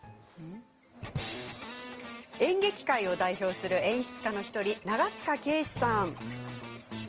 演劇界を代表する演出家の１人、長塚圭史さん。